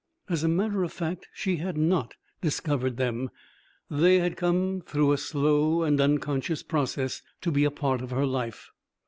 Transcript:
As a matter of fact she had not discovered them. They had come, through a slow and unconscious process, to be a part of her life.